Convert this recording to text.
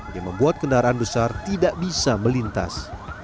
yang membuat kendaraan besar tidak bisa melintas